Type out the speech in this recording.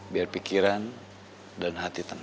biar pikiran dan hati tenang